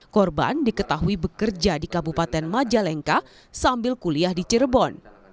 korban diketahui bekerja di kabupaten majalengka sambil kuliah di cirebon